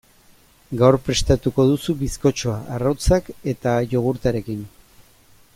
Gaur prestatuko duzu bizkotxoa arrautzak eta jogurtarekin.